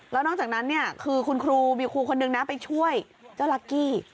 แล้วนอกจากนั้นเนี่ยคือคุณครูมีครูคนนึงนะไปช่วยเจ้าลักกี้